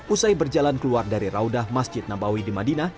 usai berjalan keluar dari raudah masjid nabawi di madinah